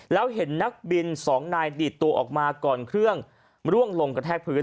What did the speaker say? แล้วเห็นนักบินสองนายดีดตัวออกมาก่อนเครื่องร่วงลงกระแทกพื้น